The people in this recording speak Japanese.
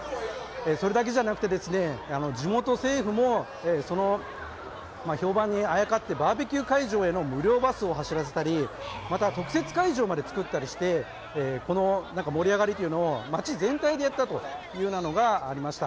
それだけじゃなくて、地元政府もその評判にあやかってバーベキュー会場への無料バスを走らせたりまた、特設会場まで作ったりして、この盛り上がりを街全体でやったというのがありました。